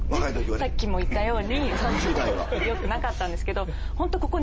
さっきも言ったようによくなかったんですけど。